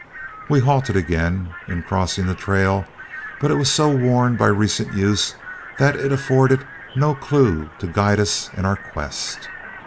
We halted again in crossing the trail, but it was so worn by recent use that it afforded no clue to guide us in our quest.